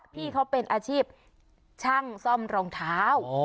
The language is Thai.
พี่เขาเป็นอาชีพช่างซ่อมรองเท้า